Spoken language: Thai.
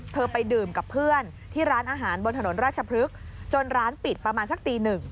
ไปดื่มกับเพื่อนที่ร้านอาหารบนถนนราชพฤกษ์จนร้านปิดประมาณสักตีหนึ่ง